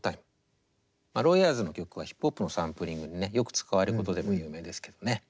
ロイ・エアーズの曲はヒップホップのサンプリングにねよく使われることでも有名ですけどね。